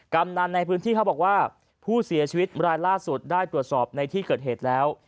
กำนันในพื้นที่เขาบอกว่าผู้เสียชีวิตรายล่าสุดได้ตรวจสอบในที่เกิดเหตุแล้ว